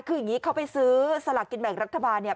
คืออย่างนี้เขาไปซื้อสลากกินแบ่งรัฐบาลเนี่ย